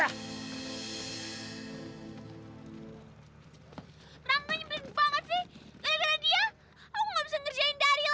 rangganya bener banget sih dari dari dia aku gak bisa ngerjain dari lagi